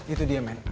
itu dia men